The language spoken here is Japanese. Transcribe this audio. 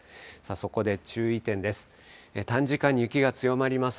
そこで注意点です。